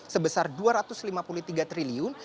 sebesar rp dua ratus lima puluh tiga triliun